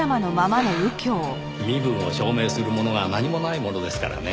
身分を証明するものが何もないものですからね